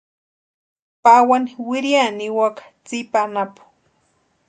Pawani wiriani niwaka tsipa anapu.